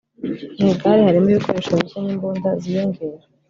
mu igare harimo ibikoresho bike n'imbunda ziyongera